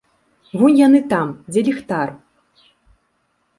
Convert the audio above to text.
Вунь яны там, дзе ліхтар.